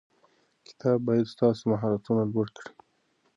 کتاب باید ستاسو مهارتونه لوړ کړي.